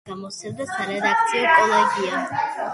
გამოსცემდა სარედაქციო კოლეგია.